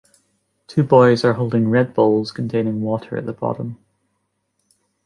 Two boys are holding red bowls containing water at the bottom.